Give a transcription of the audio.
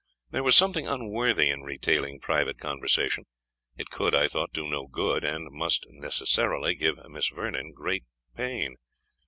There was something unworthy in retailing private conversation; it could, I thought, do no good, and must necessarily give Miss Vernon great pain.